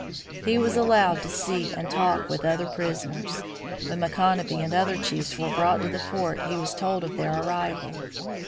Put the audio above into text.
He was allowed to see and talk with other prisoners. When Micanopy and other chiefs were brought to the fort he was told of their arrival.